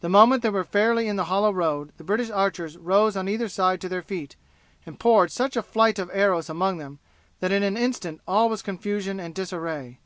The moment they were fairly in the hollow road the British archers rose on either side to their feet and poured such a flight of arrows among them that in an instant all was confusion and disarray.